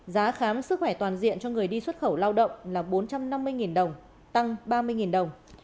giá khám sức khỏe toàn diện cho người đi xuất khẩu lao động là bốn trăm năm mươi đồng tăng ba mươi đồng